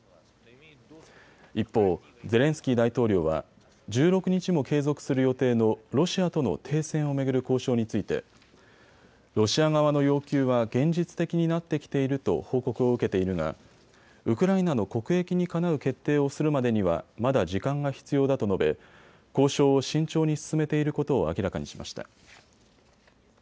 一方、ゼレンスキー大統領は、１６日も継続する予定のロシアとの停戦を巡る交渉についてロシア側の要求は現実的になってきていると報告を受けているがウクライナの国益にかなう決定をするまでにはまだ時間が必要だと述べ、交渉を慎重に進めていることを明らかにしました。